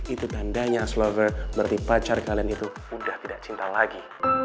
itu tandanya slover berarti pacar kalian itu udah tidak cinta lagi